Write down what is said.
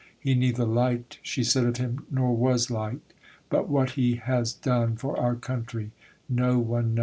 "He neither liked," she said of him, "nor was liked. But what he has done for our country no one knows."